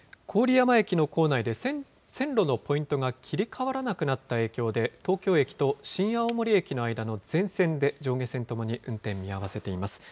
郡山駅の構内で線路のポイントが切り替わらなくなった影響で、東京駅と新青森駅の間の全線で上下線ともに運転見合わせています。